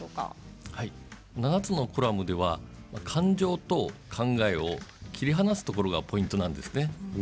７つのコラムでは感情と考えを切り離すことがポイントなんです。